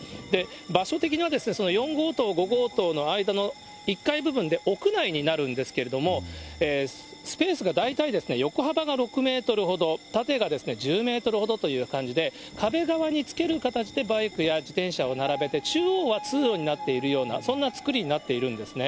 場所的には４号棟、５号棟の間の１階部分で屋内になるんですけれども、スペースが大体横幅が６メートルほど、縦が１０メートルほどという感じで、壁側につける形でバイクや自転車を並べて、中央は通路になっているような、そんな作りになっているんですね。